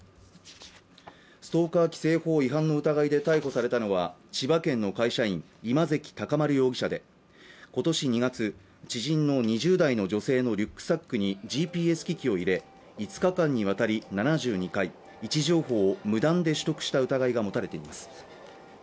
ストーカー規制法違反の疑いで逮捕されたのは千葉県の会社員今関尊丸容疑者で今年２月知人の２０代の女性のリュックサックにＧＰＳ機器を入れ５日間にわたり７２回位置情報を無断で取得した疑いが持たれています